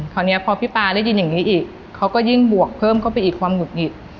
คราวนี้พอพี่ปาได้ยินอย่างนี้อีกเขาก็ยิ่งบวกเพิ่มเข้าไปอีกความหุดหงิด